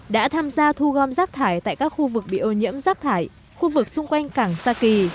đã tham gia thu gom rác thải tại các khu vực bị ô nhiễm rác thải khu vực xung quanh cảng sa kỳ